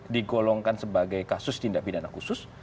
digolongkan sebagai kasus tindak pidana khusus